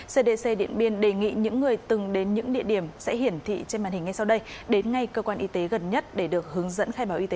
cdc điện biên đề nghị những người từng đến những địa điểm sẽ hiển thị trên màn hình ngay sau đây đến ngay cơ quan y tế gần nhất để được hướng dẫn khai báo y tế